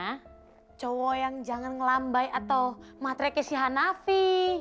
gue jadi kayak cowok yang jangan ngelambai atau matrekesi hanafi